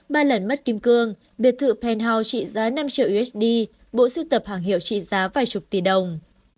bộ trị giá năm triệu usd bộ sưu tập hàng hiệu trị giá vài chục tỷ đồng